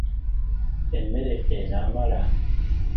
Emmere enaamala?